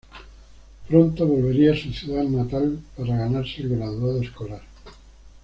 Pronto volvería a su ciudad natal para ganarse el graduado escolar.